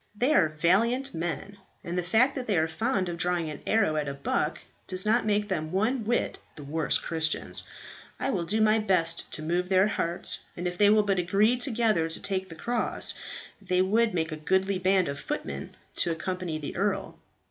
They are valiant men, and the fact that they are fond of drawing an arrow at a buck does not make them one whit the worse Christians. I will do my best to move their hearts, and if they will but agree together to take the cross, they would make a goodly band of footmen to accompany the earl."